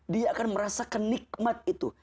dia akan merasakan nikmat itu